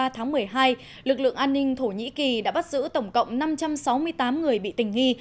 hai mươi tháng một mươi hai lực lượng an ninh thổ nhĩ kỳ đã bắt giữ tổng cộng năm trăm sáu mươi tám người bị tình nghi